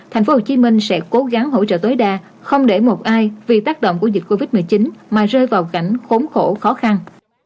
thành phố hồ chí minh sẽ cố gắng hỗ trợ tối đa không để một ai vì tác động của dịch covid một mươi chín mà rơi vào cảnh khốn khổ khó khăn